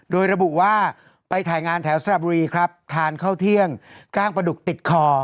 โดยระบุว่าไปถ่ายงานแถวสระบุรีครับทานข้าวเที่ยงกล้างปลาดุกติดคอ